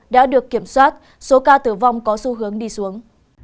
đã được kiểm soát số ca tử vong có xu hướng đi xuống